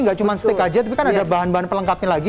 nggak cuma steak aja tapi kan ada bahan bahan pelengkapnya lagi